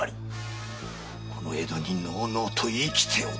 この江戸にのうのうと生きておったわ。